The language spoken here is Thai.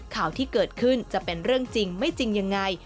ข่าวที่เกิดขึ้นจะเป็นเรื่องจริงไม่จริงยังไง